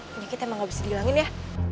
penyakit emang gak bisa dihilangin ya